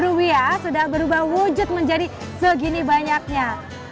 lima puluh rupiah sudah berubah wujud menjadi segini banyaknya